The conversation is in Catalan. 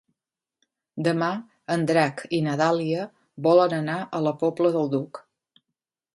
Demà en Drac i na Dàlia volen anar a la Pobla del Duc.